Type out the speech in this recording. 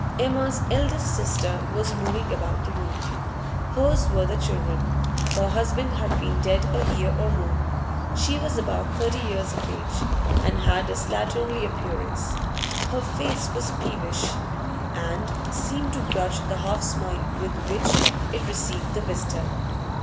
Emma's eldest sister was moving about the room. Hers were the children; her husband had been dead a year or more. She was about thirty years of age, and had a slatternly appearance; her face was peevish, and seemed to grudge the half smile with which it received the visitor.